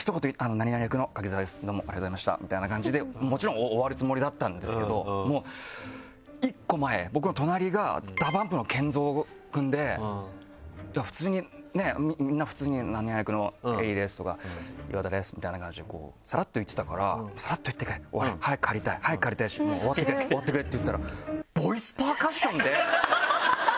「何々役の柿澤ですどうもありがとうございました」みたいな感じでもちろん終わるつもりだったんですけどもう１個前僕の隣がＤＡＰＵＭＰのＫＥＮＺＯくんで普通にねみんな普通に「何々役のＥＬＬＹです」とか「岩田です」みたいな感じでこうサラっといってたからサラっといってくれ終われ早く帰りたい早く帰りたいし終わってくれ終わってくれっていったら。